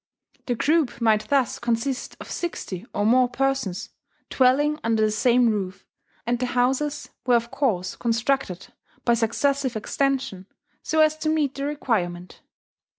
The group might thus consist of sixty or more persons, dwelling under the same roof; and the houses were of course constructed, by successive extension, so as to meet the requirement.